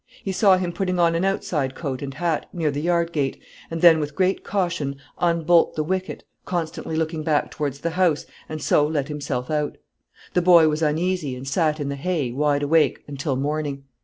He saw him putting on an outside coat and hat, near the yard gate; and then, with great caution, unbolt the wicket, constantly looking back towards the house, and so let himself out. The boy was uneasy, and sat in the hay, wide awake, until morning.